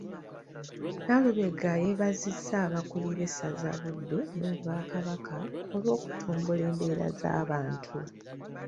Nalubega yeebazizza abakulira essaza Buddu n'Obwakabaka olw'okutumbula embeera z'abantu.